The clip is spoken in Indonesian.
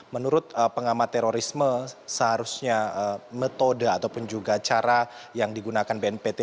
menurut pengamat terorisme seharusnya metode ataupun juga cara yang digunakan bnpt